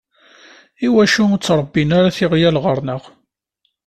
Iwacu ur ttṛebbin ara tiɣyal ɣur-neɣ?